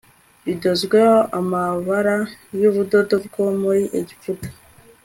Bidozweho amabara yubudodo bwo muri Egiputa